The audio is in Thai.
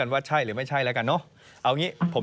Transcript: ว่าใช่หรือไม่ใช่